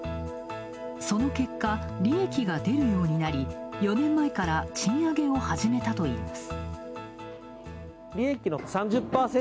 その結果、利益が出るようになり４年前から賃上げを始めたといいます。